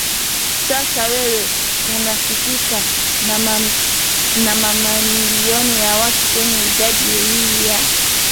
sasa wewe unasikika na mamilioni ya watu kwenye idhaa hii ya